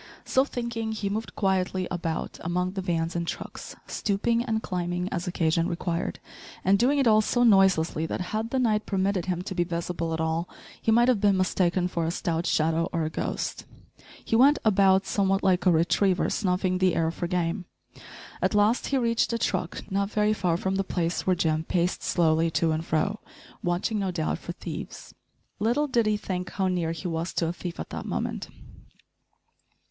So thinking, he moved quietly about among the vans and trucks, stooping and climbing as occasion required, and doing it all so noiselessly that, had the night permitted him to be visible at all, he might have been mistaken for a stout shadow or a ghost. He went about somewhat like a retriever snuffing the air for game. At last he reached a truck, not very far from the place where Jim paced slowly to and fro, watching, no doubt, for thieves. Little did he think how near he was to a thief at that moment!